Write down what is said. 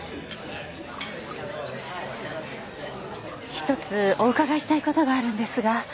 １つお伺いしたい事があるんですが。